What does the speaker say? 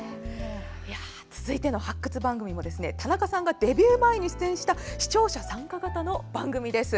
続いての発掘番組も田中さんデビュー前に出演した視聴者参加型の番組です。